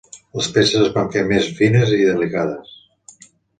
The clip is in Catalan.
Les peces es van fer més fines i delicades.